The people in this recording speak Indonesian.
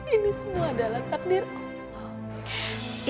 ini semua adalah takdir allah